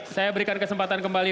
dan kalau ada kesempatan kembali